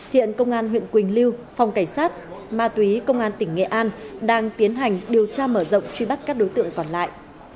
hiện công an huyện quỳnh lưu phòng cảnh sát ma túy công an tỉnh nghệ an đang tiến hành điều tra mở rộng truy bắt các đối tượng còn lại